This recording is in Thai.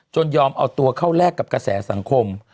ยอมเอาตัวเข้าแลกกับกระแสสังคม